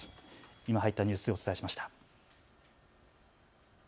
今、入ったニュースをお伝えしました。